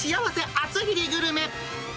厚切りグルメ。